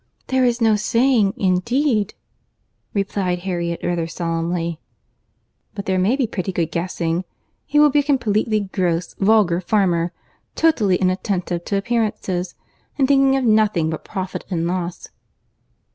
"There is no saying, indeed," replied Harriet rather solemnly. "But there may be pretty good guessing. He will be a completely gross, vulgar farmer, totally inattentive to appearances, and thinking of nothing but profit and loss."